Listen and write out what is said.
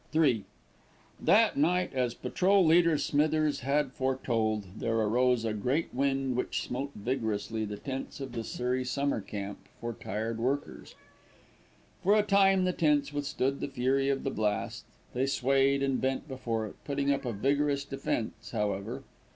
III That night, as Patrol leader Smithers had foretold, there arose a great wind which smote vigorously the tents of the Surrey Summer Camp for Tired Workers. For a time the tents withstood the fury of the blast; they swayed and bent before it, putting up a vigorous defence however.